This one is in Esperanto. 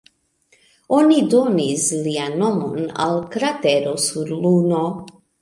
Oni donis lian nomon al kratero sur Luno.